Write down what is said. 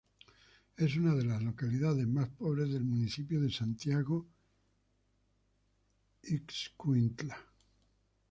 Es una de las localidades más pobres del municipio de Santiago Ixcuintla.